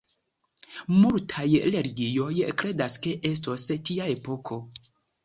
Multaj religioj kredas ke estos tia epoko.